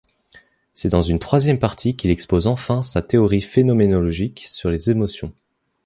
C'est dans une troisième partie qu'il expose enfin sa théorie phénoménologique sur les émotions.